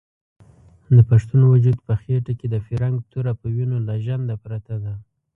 د پښتون وجود په خېټه کې د فرنګ توره په وینو لژنده پرته ده.